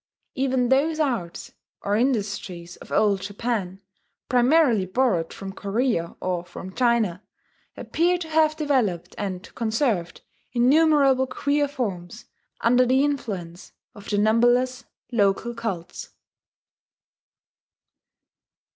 Even those arts or industries of Old Japan, primarily borrowed from Korea or from China, appear to have developed and conserved innumerable queer forms under the influence of the numberless local cults.